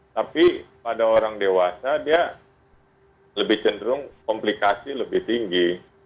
tapi pada orang dewasa dia lebih cenderung komplikasi lebih tinggi